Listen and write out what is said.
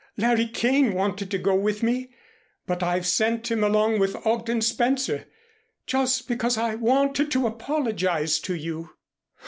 Larry Kane wanted to go with me, but I've sent him along with Ogden Spencer just because I wanted to apologize to you."